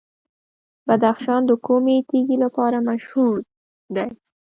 بدخشان د کومې تیږې لپاره مشهور دی؟